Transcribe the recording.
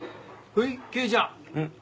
はい。